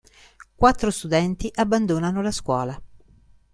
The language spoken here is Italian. Quattro studenti abbandonano la scuola.